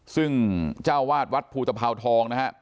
ซึ่งเจ้าวาดวัดภูตภาวทองนะฮะ